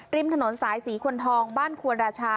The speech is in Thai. ริมถนนสายศรีควรทองบ้านควรราชา